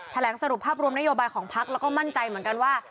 แถมผลังสรุปภาพรวมนโยบายของภัคขณ์และก็มั่นใจเหมือนกันว่า